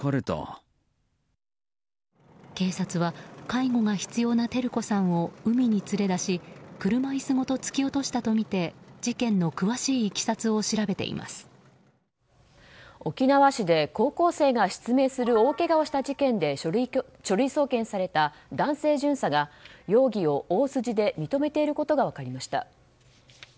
警察は介護が必要な照子さんを海に連れ出し車椅子ごと突き落としたとみて事件の詳しいいきさつを沖縄市で高校生が失明する大けがをした事件で書類送検された男性巡査が容疑を大筋で認めていることが分かりました。